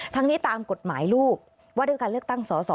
ทั้งนี้ตามกฎหมายรูปวัตถุการณ์เลือกตั้งสอสอ